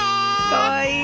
かわいい。